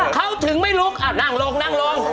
เขาถึงไม่ลุกนั่งลง